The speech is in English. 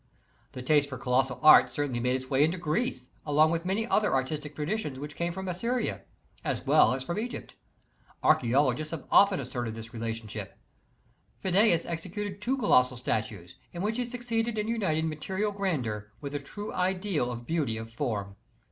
The taste for colossal art certainly made its way into Greece along with many pther artistic traditions which came from Assyria, as well as from Egypt Archaeologists have often asserted this relationship, Phidias executed two colossal statues, in which he succeeded in uniting material grandeur with a true ideal of beauty of form.